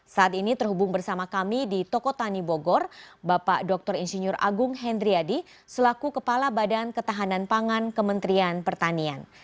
saat ini terhubung bersama kami di toko tani bogor bapak dr insinyur agung hendriadi selaku kepala badan ketahanan pangan kementerian pertanian